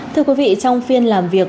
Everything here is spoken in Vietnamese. thưa quý vị trong phiên làm việc